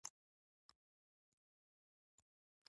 د ناتوفیان مېشتځایونو په اړه کره شواهد ښيي